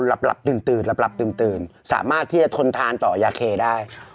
หลับหลับตื่นตื่นหลับหลับตื่นตื่นสามารถที่จะทนทานต่อยาเคได้โอ้